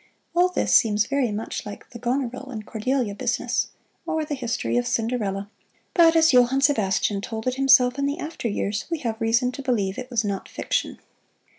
All this seems very much like the Goneril and Cordelia business, or the history of Cinderella, but as Johann Sebastian told it himself in the after years, we have reason to believe it was not fiction.